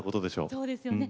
そうですよね。